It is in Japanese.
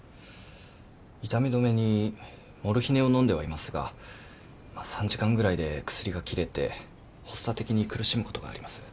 痛み止めにモルヒネを飲んではいますが３時間ぐらいで薬がきれて発作的に苦しむことがあります。